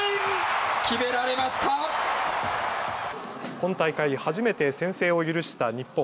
今大会初めて先制を許した日本。